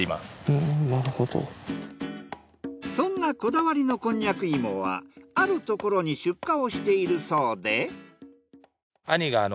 そんなこだわりのこんにゃく芋はあるところに出荷をしているそうで。